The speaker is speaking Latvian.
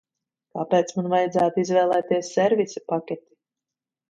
Kāpēc man vajadzētu izvēlēties servisa paketi?